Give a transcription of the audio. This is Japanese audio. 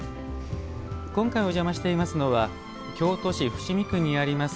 今回、お邪魔していますのは京都市伏見区にあります